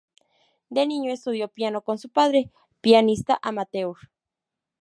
De niño, estudió piano con su padre, pianista amateur.